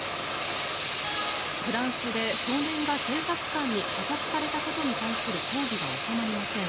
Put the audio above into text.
フランスで少年が警察官に射殺されたことに対する抗議が収まりません。